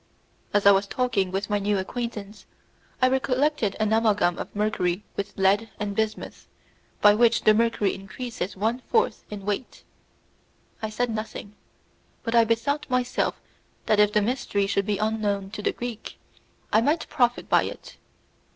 As I was talking with my new acquaintance, I recollected an amalgam of mercury with lead and bismuth, by which the mercury increases one fourth in weight. I said nothing, but I bethought myself that if the mystery should be unknown to the Greek I might profit by it.